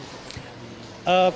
ada gempa teman apa